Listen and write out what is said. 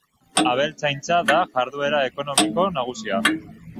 Abeltzaintza da jarduera ekonomiko nagusia.